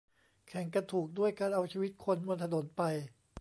แข่งกันถูกด้วยการเอาชีวิตคนบนถนนไป